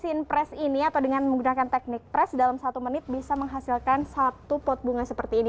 mesin pres ini atau dengan menggunakan teknik pres dalam satu menit bisa menghasilkan satu pot bunga seperti ini